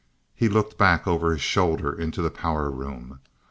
He looked back over his shoulder into the power room.